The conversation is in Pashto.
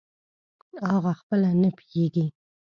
اغه خپله نه پییږي